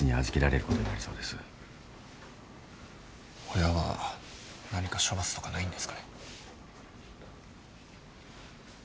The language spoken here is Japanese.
親は何か処罰とかないんですかね。